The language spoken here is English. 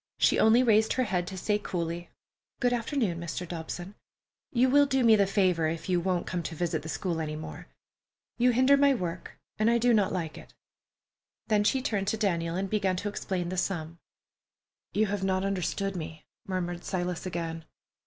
She only raised her head to say coldly, "Good afternoon, Mr. Dobson. You will do me a favor if you won't come to visit the school any more. You hinder my work, and I do not like it." Then she turned to Daniel and began to explain the sum. "You have not understood me," murmured Silas again.